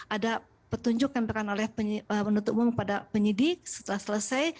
ada petunjuk yang diperan oleh penduduk umum kepada penyidik setelah selesai